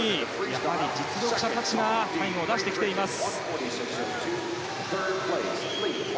やはり実力者たちがタイムを出してきています。